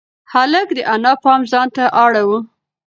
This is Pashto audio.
هلک د انا پام ځان ته اړاوه.